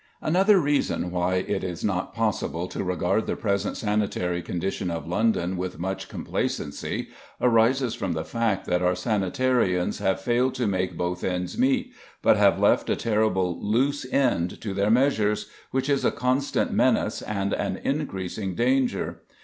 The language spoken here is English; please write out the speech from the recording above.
Another reason why it is not possible to regard the present sanitary condition of London with much complacency arises from the fact that our sanitarians have failed to "make both ends meet," but have left a terrible loose end to their measures, which is a constant menace and an increasing danger.